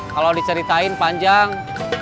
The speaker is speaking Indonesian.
kalau diceritain panjang